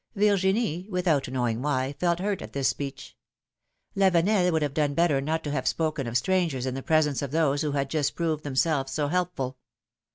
^^ Virginie, without knowing why, felt hurt at this speech. Lavenel would have done better not to have spoken of strangers in the presence of those who had just proved themselves so helpful.